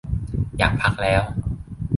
อยากพักแล้ว